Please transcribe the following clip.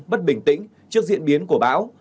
bất bình tĩnh trước diễn biến của bão